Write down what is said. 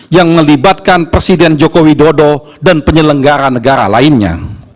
yang melibatkan presiden jokowi dodo dan penyelenggaran negara lainnya